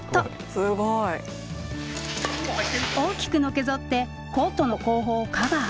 すごい。大きくのけぞってコートの後方をカバー。